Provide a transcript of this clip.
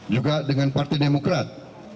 juga dengan parti demokrat